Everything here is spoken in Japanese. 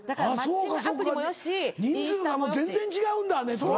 人数がもう全然違うんだネットは。